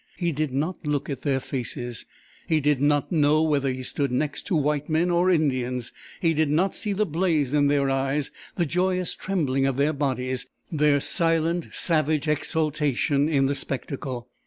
He did not look at their faces. He did not know whether he stood next to white men or Indians. He did not see the blaze in their eyes, the joyous trembling of their bodies, their silent, savage exultation in the spectacle.